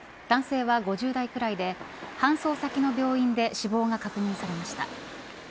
男性は５０代くらいで搬送先の病院で死亡が確認されました。